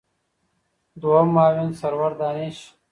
دویم معاون سرور دانش